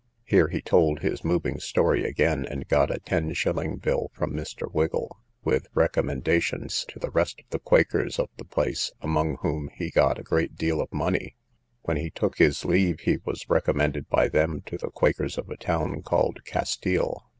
Here he told his moving story again, and got a ten shilling bill from Mr. Wiggil, with recommendations to the rest of the quakers of the place, among whom he got a great deal of money. When he took his leave, he was recommended by them to the quakers of a town called Castile.